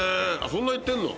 そんなに行ってんの？